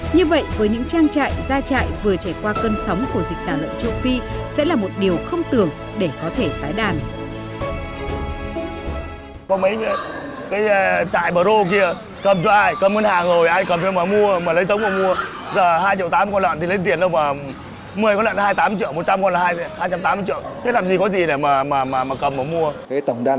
như vậy với những trang trại gia trại vừa trải qua cơn sóng của dịch tạ lợn châu phi sẽ là một điều không tưởng để có thể tái đàn